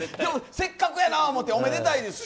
せっかくやな思ておめでたいですし。